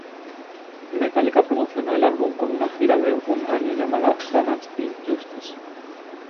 Metallica promocionó el álbum con una gira de un año, llamada Damaged Justice.